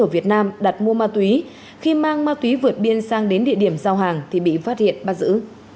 ở việt nam đặt mua ma túy khi mang ma túy vượt biên sang đến địa điểm giao hàng thì bị phát hiện bắt giữ